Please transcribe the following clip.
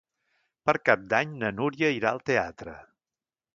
Per Cap d'Any na Núria irà al teatre.